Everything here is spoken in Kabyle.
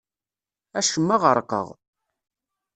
Acemma ɣerqeɣ.